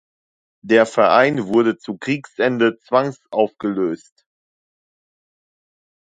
Der Verein wurde zu Kriegsende zwangsaufgelöst.